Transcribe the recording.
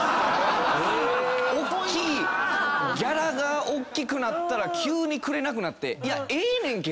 ギャラがおっきくなったら急にくれなくなって。